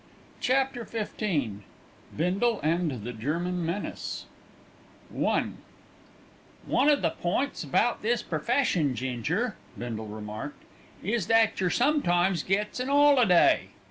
CHAPTER XV BINDLE AND THE GERMAN MENACE I "One of the points about this perfession, Ginger," Bindle remarked, "is that yer sometimes gets an 'oliday."